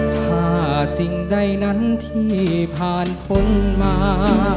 ถ้าสิ่งใดนั้นที่ผ่านพ้นมา